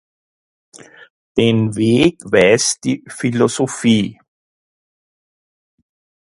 Den Weg weist die Philosophie.